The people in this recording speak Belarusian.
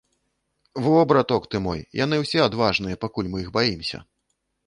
Во, браток ты мой, яны ўсе адважныя, пакуль мы іх баімся.